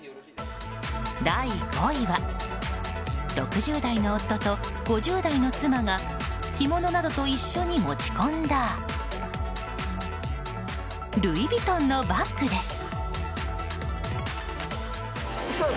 第５位は６０代の夫と５０代の妻が着物などと一緒に持ち込んだルイ・ヴィトンのバッグです。